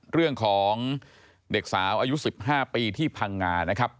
เรื่องของเด็กสาวอายุ๑๕ปีที่พังงานะครับ